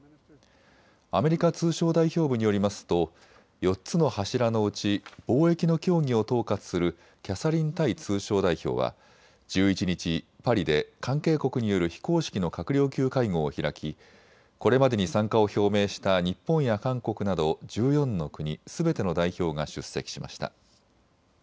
アメリカ通商代表部によりますと、４つの柱のうち貿易の協議を統括するキャサリン・タイ通商代表は１１日、パリで関係国による非公式の閣僚級会合を開きこれまでに参加を表明した日本や韓国など１４の国すべての代表が出席しました。